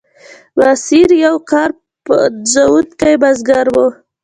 ماسیر یو کار پنځوونکی بزګر و.